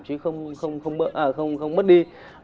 chứ không mất đi